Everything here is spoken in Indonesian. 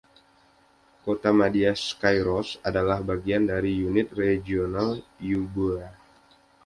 Kotamadya Skyros adalah bagian dari unit regional Euboea.